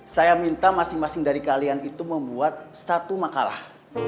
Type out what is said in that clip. saya minta masing masing dari kalian itu membuat satu makalah